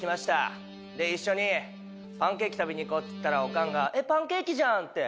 「一緒にパンケーキ食べに行こう」って言ったらオカンが「えっパンケーキじゃん」って。